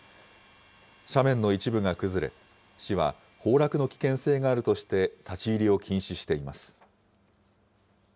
斜面の一部が崩れ、市は崩落の危険性があるとして立ち入りを禁止しています。